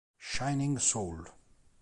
Shining Soul